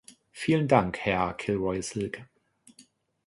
Vielen Dank, Herr Kilroy-Silk.